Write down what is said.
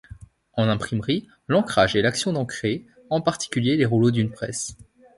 En imprimerie, l'encrage est l'action d'encrer, en particulier les rouleaux d'une presse.